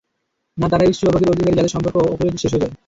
না, তারাই বেশি সৌভাগ্যের অধিকারী যাদের সম্পর্ক অংকুরেই শেষ হয়ে যায়!